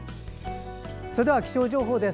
それでは気象情報です。